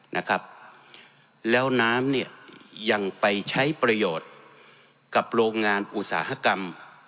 นะครับแล้วน้ำเนี่ยยังไปใช้ประโยชน์กับโรงงานอุตสาหกรรม